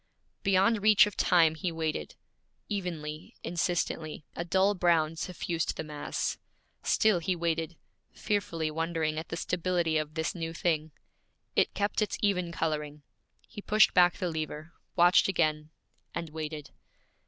Beyond reach of time he waited. Evenly, insistently, a dull brown suffused the mass. Still he waited, fearfully wondering at the stability of this new thing. It kept its even coloring. He pushed back the lever, watched again, and waited.